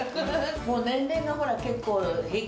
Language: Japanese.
もう年齢がほら。